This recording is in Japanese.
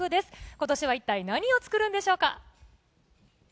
ことしは一体何を作るんでしょうか。